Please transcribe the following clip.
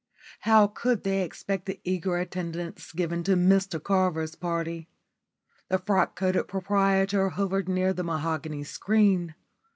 How could they expect the eager attendance given to Mr Carver's party? The frock coated proprietor hovered near the mahogany screen.